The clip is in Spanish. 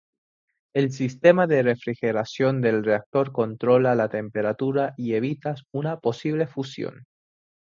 El sistema de refrigeración del reactor controla la temperatura y evita una posible fusión.